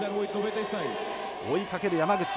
追いかける山口。